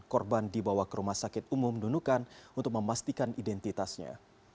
korban dibawa ke rumah sakit umum nunukan untuk memastikan identitasnya